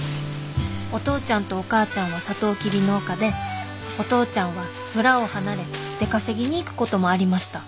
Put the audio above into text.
お父ちゃんとお母ちゃんはサトウキビ農家でお父ちゃんは村を離れ出稼ぎに行くこともありました。